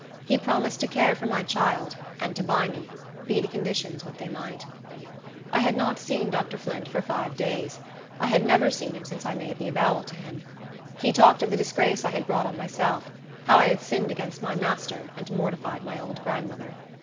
He promised to care for my child, and to buy me, be the conditions what they might. I had not seen Dr. Flint for five days. I had never seen him since I made the avowal to him. He talked of the disgrace I had brought on myself; how I had sinned against my master, and mortified my old grandmother.